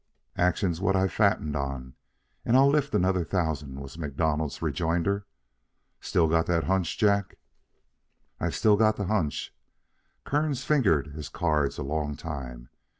"Action's what I fatten on, and I lift another thousand," was MacDonald's rejoinder. "Still got that hunch, Jack?" "I still got the hunch." Kearns fingered his cards a long time.